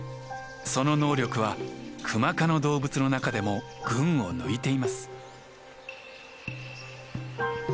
その能力はクマ科の動物の中でも群を抜いています。